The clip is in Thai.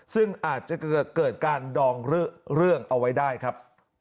ซึ่งอาจจะเกิดการดองเรื่องเอาไว้ได้ครับ